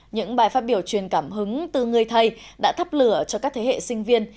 những bài phát biểu truyền cảm hứng từ người thầy đã thắp lửa cho các thế hệ sinh viên